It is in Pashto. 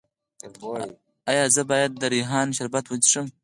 ایا زه باید د ریحان شربت وڅښم؟